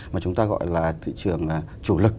mà chúng ta gọi là thị trường chủ lực